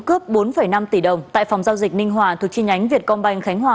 cướp bốn năm tỷ đồng tại phòng giao dịch ninh hòa thuộc chi nhánh việt công banh khánh hòa